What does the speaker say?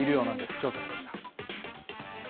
調査しました。